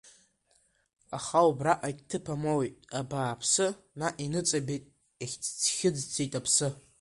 Аха убраҟагь ҭыԥ амоуит, абааԥсы, наҟ иныҵабеит, иахыҵӡеит аԥсы.